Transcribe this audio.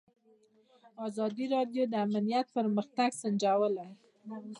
ازادي راډیو د امنیت پرمختګ سنجولی.